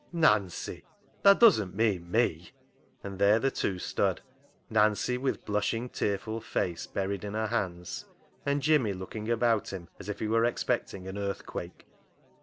" Nancy ! Nancy ! tha doesn't mean me ?" And there the two stood : Nancy with blush ing, tearful face buried in her hands; and Jimmy looking about him as if he were expecting an earthquake.